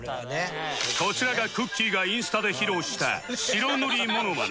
こちらがくっきー！がインスタで披露した白塗りモノマネ